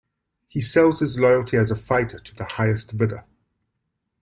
He sells his loyalty as a fighter to the highest bidder.